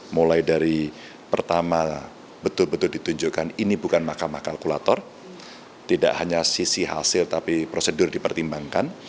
mulai dari pertama betul betul ditunjukkan ini bukan mahkamah kalkulator tidak hanya sisi hasil tapi prosedur dipertimbangkan